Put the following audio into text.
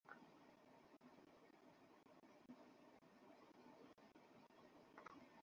হাজারো যুবকের ভিড়ে সেও চলল মিছিলের সাথে সাথে।